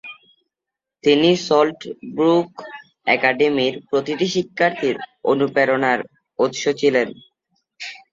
তিনি Salt Brook একাডেমির প্রতিটি শিক্ষার্থীর অনুপ্রেরণার উৎস ছিলেন।